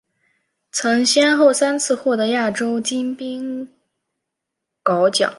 曾先后三次获得亚洲金冰镐奖。